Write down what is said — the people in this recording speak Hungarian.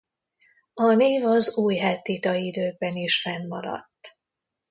A név az újhettita időkben is fennmaradt.